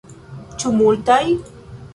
Ĉu multaj?